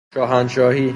شهنشاهی